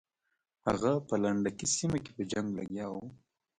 هغه په لنډکي سیمه کې په جنګ لګیا وو.